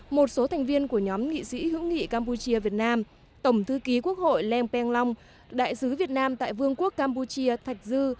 một số thành viên của nhóm nghị sĩ hữu nghị campuchia việt nam tổng thư ký quốc hội leng peng long đại sứ việt nam tại vương quốc campuchia thạch dư